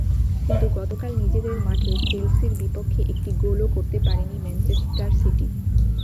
কিন্তু গতকাল নিজেদের মাঠে চেলসির বিপক্ষে একটি গোলও করতে পারেনি ম্যানচেস্টার সিটি।